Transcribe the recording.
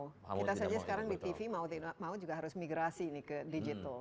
kita saja sekarang di tv mau juga harus migrasi nih ke digital